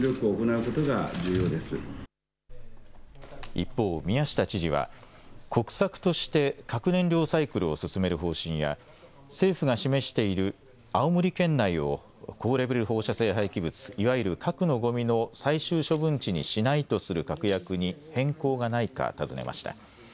一方、宮下知事は国策として核燃料サイクルを進める方針や政府が示している青森県内を高レベル放射性廃棄物、いわゆる核のごみの最終処分地にしないとする確約に変更がないか尋ねました。